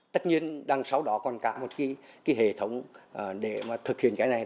tất nhiên đằng sau đó còn cả một cái hệ thống để mà thực hiện cái này